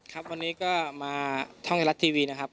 ครับวันนี้ก็มาท่องไทยรัฐทีวีนะครับ